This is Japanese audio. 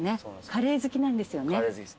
カレー好きなんですよね。